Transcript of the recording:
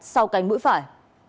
sau cánh mũi phải